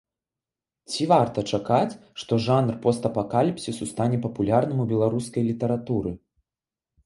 Ці варта чакаць, што жанр постапакаліпсісу стане папулярным у беларускай літаратуры?